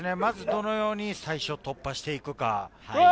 どのように最初突破していくか。